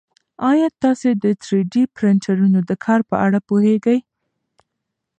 ایا تاسي د تری ډي پرنټرونو د کار په اړه پوهېږئ؟